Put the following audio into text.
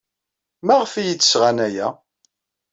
Maɣef ay iyi-d-sɣan aya?